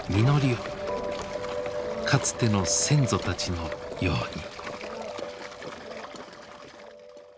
かつての先祖たちのように。